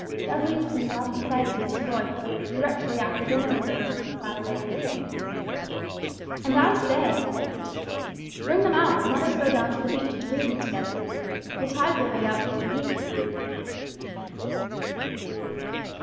Dudley came up excitedly to Roy, directly after dinner was over one Saturday afternoon. "And I say," he continued; "bring them out and let us go down to the beach to read them together. The tide will be out till the evening."